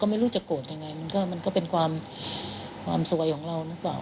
ไม่รู้จะโกรธยังไงมันก็เป็นความสวยของเราหรือเปล่า